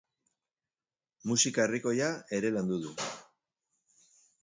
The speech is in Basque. Musika herrikoia ere landu du.